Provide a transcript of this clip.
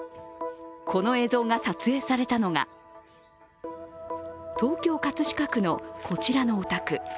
この映像が撮影されたのが東京・葛飾区のこちらのお宅。